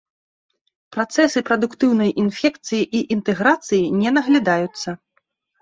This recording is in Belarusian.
Працэсы прадуктыўнай інфекцыі і інтэграцыі не наглядаюцца.